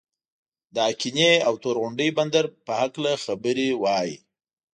د آقینې او تور غونډۍ بندر په هکله خبرې وای.